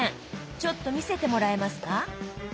ちょっと見せてもらえますか？